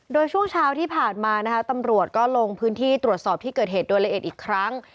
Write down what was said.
โดยช่วงเช้าที่ผ่านมานะคะตำรวจก็ลงพื้นที่ตรวจสอบที่เกิดเหตุโดยละเอียดอีกครั้ง